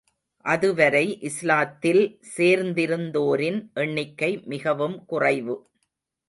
அதுவரை இஸ்லாத்தில் சேர்ந்திருந்தோரின் எண்ணிக்கை மிகவும் குறைவு.